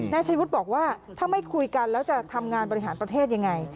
ชายวุฒิบอกว่าถ้าไม่คุยกันแล้วจะทำงานบริหารประเทศยังไง